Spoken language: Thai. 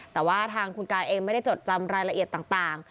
แต่ว่าทางคุณกายเองไม่ได้จดจำรายละเอียดต่าง